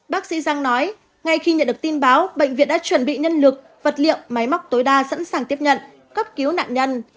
bác sĩ giang nói ngay khi nhận được tin báo bệnh viện đã chuẩn bị nhân lực vật liệu máy móc tối đa sẵn sàng tiếp nhận cấp cứu nạn nhân